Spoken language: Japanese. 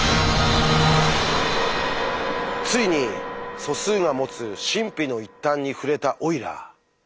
ついに素数が持つ神秘の一端に触れたオイラー。